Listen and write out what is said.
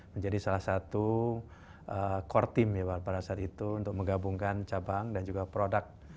menjadi salah satu core team ya pak pada saat itu untuk menggabungkan cabang dan juga produk